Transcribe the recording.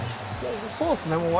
そうですね。